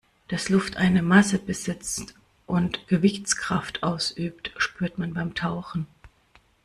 Dass Luft eine Masse besitzt und Gewichtskraft ausübt, spürt man beim Tauchen.